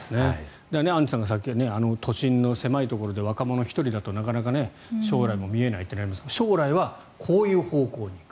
アンジュさんがさっき都心の狭いところで若者１人だとなかなか将来も見えないというのがありましたが将来はこういう方向に行く。